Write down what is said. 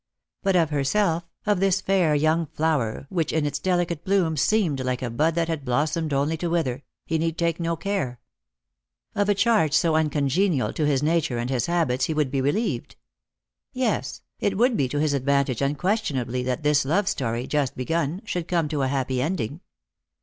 But of herself, of this fair young flower which in its delicate bloom seemed like a bud that had blossomed only to wither, he need take no care. Of a charge so uncongenial to his nature and his habits he would be relieved. Yes, it would be to his advantage unquestionably that this love story, just begun, should come to a happy ending.